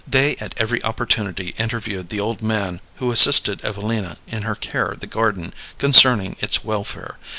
They at every opportunity interviewed the old man who assisted Evelina in her care of the garden concerning its welfare.